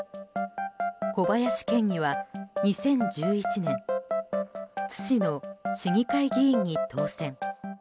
小林県議は２０１１年津市の市議会議員に当選。